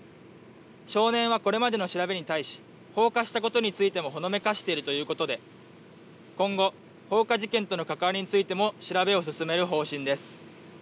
少年はこれまでの調べに対し、放火したことについてもほのめかしているということで、今後、放火事件との関わりについても調べを進める方針です。